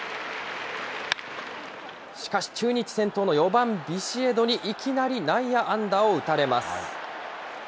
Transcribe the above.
しかし、中日先頭の４番ビシエドに、いきなり内野安打を打たれます。